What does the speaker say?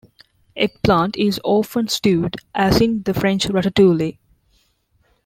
Eggplant is often stewed, as in the French "ratatouille".